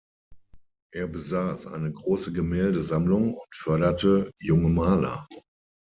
Er besaß eine große Gemäldesammlung und förderte junge Maler.